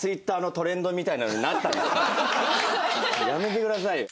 やめてくださいよ。